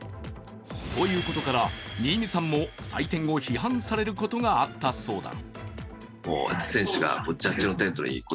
そういうことから、新美さんも祭典を批判されることがあったそうだ。